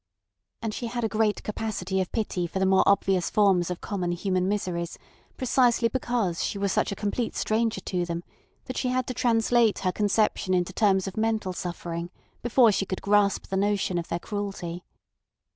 And she had a great capacity of pity for the more obvious forms of common human miseries, precisely because she was such a complete stranger to them that she had to translate her conception into terms of mental suffering before she could grasp the notion of their cruelty.